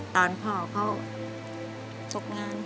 ตอนพ่อเขาตกงาน